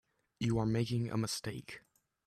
You are making a mistake.